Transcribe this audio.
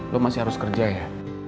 lo masih harus kerja ya